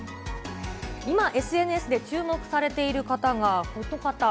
今、ＳＮＳで注目されている方が、この方。